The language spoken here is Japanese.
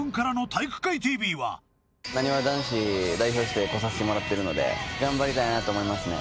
体育会ＴＶはなにわ男子代表して来させてもらってるので頑張りたいなと思いますね